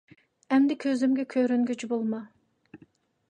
ئەمدى كۆزۈمگە كۆرۈنگۈچى بولما!